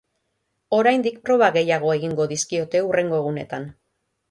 Oraindik proba gehiago egingo dizkiote hurrengo egunetan.